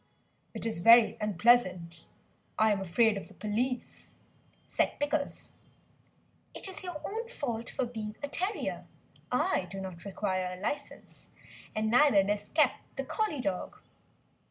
"It is very unpleasant, I am afraid of the police," said Pickles. "It is your own fault for being a terrier; I do not require a licence, and neither does Kep, the Collie dog."